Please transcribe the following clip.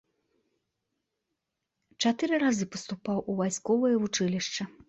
Чатыры разы паступаў у вайсковае вучылішча.